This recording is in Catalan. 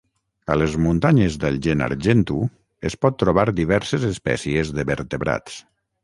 A les muntanyes del Gennargentu es pot trobar diverses espècies de vertebrats.